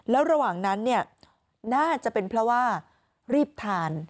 แล้วระหว่างนั้นเนี่ยน่าจะเป็นเพราะว่ารีบทาน